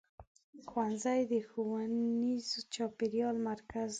ښوونځی د ښوونیز چاپېریال مرکز دی.